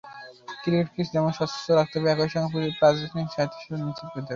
ক্রিকেটকে যেমন স্বচ্ছ রাখতে হবে, একই সঙ্গে প্রাতিষ্ঠানিক স্বায়ত্তশাসনও নিশ্চিত করতে হবে।